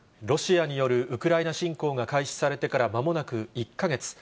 ロシアによるウクライナ侵攻が開始されてからまもなく１か月。